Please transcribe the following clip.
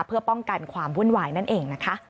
เพื่อป้องกันความวุ่นวายนั่นเองนะคะ